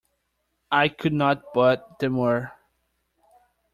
I could not but demur.